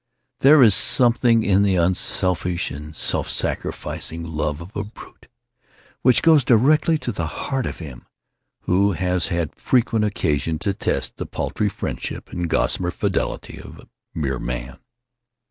There is something in the unselfish and self sacrificing love of a brute, which goes directly to the heart of him who has had frequent occasion to test the paltry friendship and gossamer fidelity of mere Man.